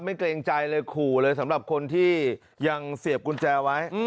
เกรงใจเลยขู่เลยสำหรับคนที่ยังเสียบกุญแจไว้